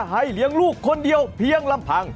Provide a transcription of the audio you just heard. ให้เลี้ยงลูกคนเดียวเพียงลำพัง